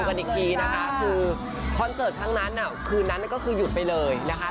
คือคอนเสิร์ททั้งนั้นคืนนั้นก็คือหยุดไปเลยนะคะ